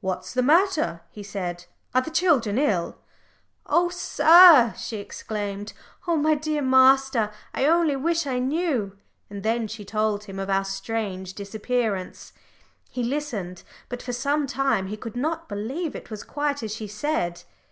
"What's the matter?" he said. "Are the children ill?" "Oh, sir!" she exclaimed, "oh, my dear master, I only wish I knew!" and then she told him of our strange disappearance. He listened, but for some time he could not believe it was quite as she said.